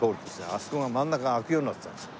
あそこが真ん中が開くようになってたんです。